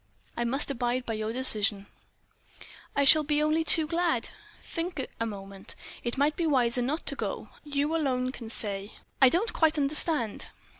I must abide by your decision." "But I shall be only too glad—" "Think a moment. It might be wiser not to go. You alone can say." "I don't quite understand